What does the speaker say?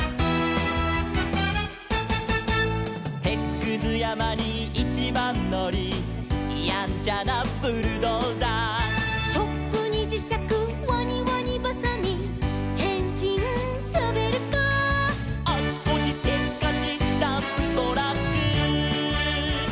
「てつくずやまにいちばんのり」「やんちゃなブルドーザー」「チョップにじしゃくワニワニばさみ」「へんしんショベルカー」「あちこちせっかちダンプトラック」